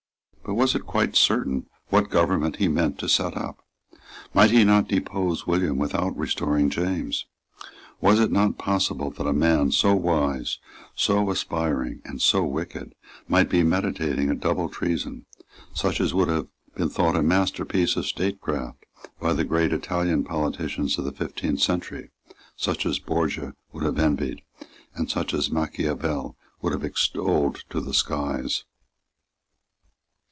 But was it quite certain what government he meant to set up? Might he not depose William without restoring James? Was it not possible that a man so wise, so aspiring, and so wicked, might be meditating a double treason, such as would have been thought a masterpiece of statecraft by the great Italian politicians of the fifteenth century, such as Borgia would have envied, such as Machiavel would have extolled to the skies?